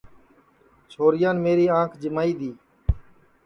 چھورِیان میری آنٚکھ جِمائی دؔی